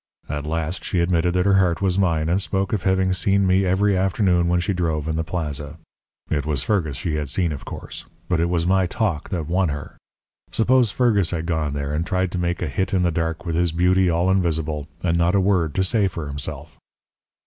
At last she admitted that her heart was mine, and spoke of having seen me every afternoon when she drove in the plaza. It was Fergus she had seen, of course. But it was my talk that won her. Suppose Fergus had gone there, and tried to make a hit in the dark with his beauty all invisible, and not a word to say for himself!